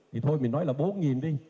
thì thôi mình nói là bốn đi